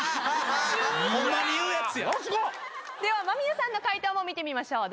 では間宮さんの解答も見てみましょう。